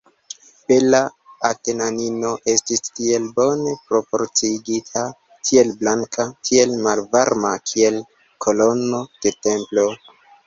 Bela Atenanino estis tiel bone proporciigita, tiel blanka, tiel malvarma, kiel kolono de templo.